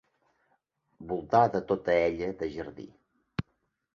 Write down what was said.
Voltada tota ella de jardí.